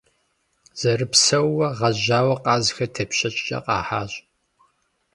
Зэрыпсэууэ гъэжьауэ къазхэр тепщэчкӀэ къахьащ.